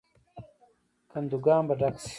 کندوګان به ډک شي.